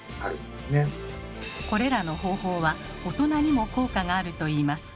これらの方法は大人にも効果があるといいます。